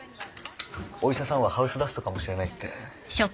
お医者さんはハウスダストかもしれないって。